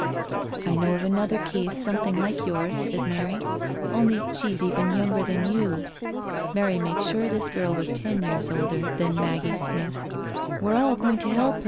" I know of another case something like yours," said Mary, " only she's even younger than you." Mary made sure this girl was ten years older than Maggie Smith. " We're all going to help.